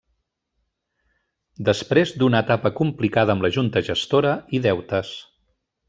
Després d'una etapa complicada amb la junta gestora i deutes.